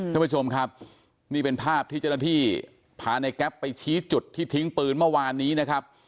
ท่านผู้ชมครับนี่เป็นภาพที่เจ้าหน้าที่พาในแก๊ปไปชี้จุดที่ทิ้งปืนเมื่อวานนี้นะครับ